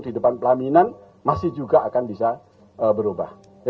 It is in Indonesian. di depan pelaminan masih juga akan bisa berubah